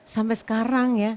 sampai sekarang ya